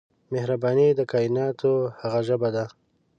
مهرباني د کایناتو هغه ژبه ده